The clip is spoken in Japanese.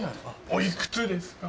おいくつですか？